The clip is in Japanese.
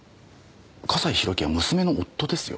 笠井宏樹は娘の夫ですよ。